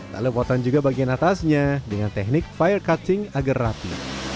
lalu potong juga bagian atasnya dengan teknik fire cutting agar rapi